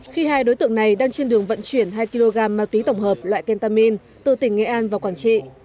khi hai đối tượng này đang trên đường vận chuyển hai kg ma túy tổng hợp loại kentamin từ tỉnh nghệ an vào quảng trị